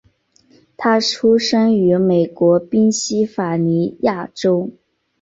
他出生于美国宾夕法尼亚州。